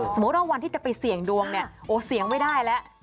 สมมุติว่าวันที่จะไปเสี่ยงดวงเนี่ยโอ้เสี่ยงไม่ได้แล้ว